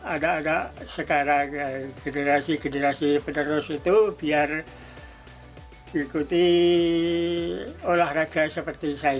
anak anak sekarang generasi generasi penerus itu biar ikuti olahraga seperti saya